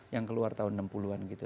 yang keluar tahun enam puluh an gitu